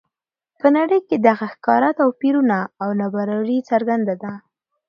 په نړۍ کې دغه ښکاره توپیرونه او نابرابري څرګنده ده.